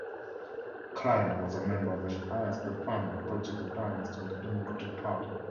Clymer was a member of the Hiester family political dynasty and the Democratic Party.